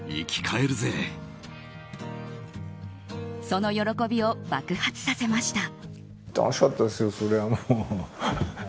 その喜びを爆発させました。